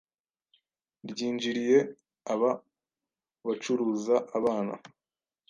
ryinjiriye aba bacuruza abana